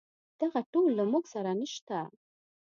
دغه ټول له موږ سره نشته.